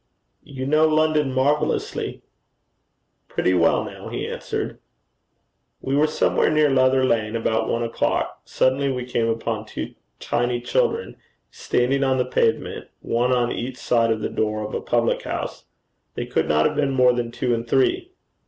'You know London marvellously.' 'Pretty well now,' he answered. We were somewhere near Leather Lane about one o'clock. Suddenly we came upon two tiny children standing on the pavement, one on each side of the door of a public house. They could not have been more than two and three.